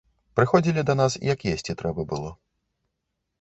Прыходзілі да нас, як есці трэба было.